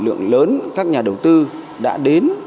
lượng lớn các nhà đầu tư đã đến